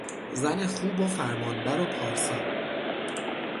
زن خوب و فرمانبر و پارسا...